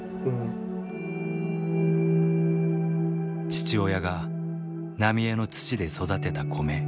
父親が浪江の土で育てた米。